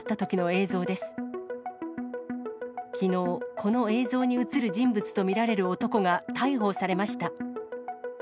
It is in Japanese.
きのう、この映像に写る人物と見られる男が逮捕されました。